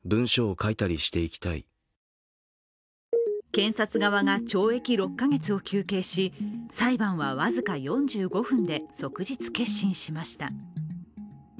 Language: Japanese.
検察側が懲役６か月を求刑し、裁判は僅か４５分で即日結審しました。